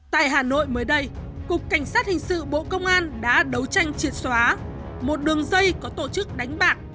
tại hà nội mới đây cục cảnh sát hình sự bộ công an đã đấu tranh triệt xóa một đường dây có tổ chức đánh bạc